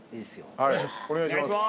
お願いします